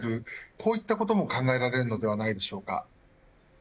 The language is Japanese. こういったことも考えられるのではないでしょうか。